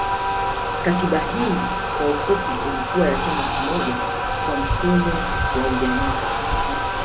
Katiba Hii kwa ufupi ilikuwa ya chama kimoja kwa mfumo wa ujamaa